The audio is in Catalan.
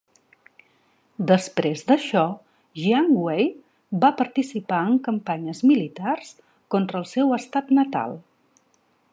Després d'això, Jiang Wei va participar en campanyes militars contra el seu estat natal.